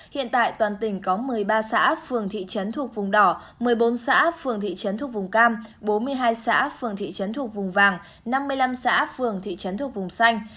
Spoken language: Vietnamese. hiện tại toàn tỉnh có một mươi ba xã phường thị trấn thuộc vùng đỏ một mươi bốn xã phường thị trấn thuộc vùng cam bốn mươi hai xã phường thị trấn thuộc vùng vàng năm mươi năm xã phường thị trấn thuộc vùng xanh